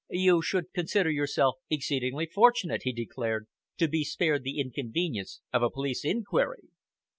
"You should consider yourself exceedingly fortunate," he declared, "to be spared the inconvenience of a police inquiry.